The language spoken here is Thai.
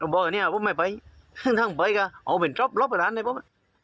บอกว่าเนี้ยผมไม่ไปตั้งไปก็เอาเป็นรอบรอบกับหลานด้วยผม